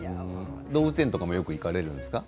動物園もよく行かれるんですか？